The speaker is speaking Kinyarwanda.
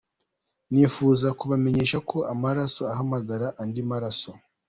Nifuza kubamenyesha ko amaraso ahamagara andi maraso.